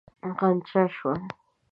غنجا شوه.